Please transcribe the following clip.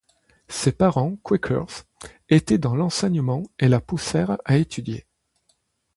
Ses parents, quakers, étaient dans l'enseignement et la poussèrent à étudier.